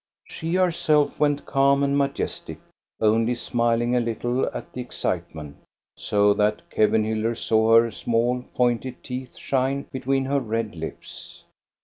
She herself went calm and majestic, only smiling a little at the excitement, so that Kevenhiiller saw her small, pointed teeth shine between her red lips.